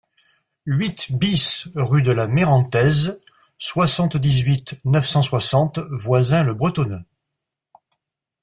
huit BIS rue de la Mérantaise, soixante-dix-huit, neuf cent soixante, Voisins-le-Bretonneux